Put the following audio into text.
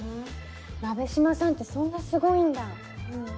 鍋島さんってそんなすごいんだ。